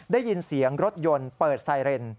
ได้ยินเสียงรถยนต์เปิดไซเรน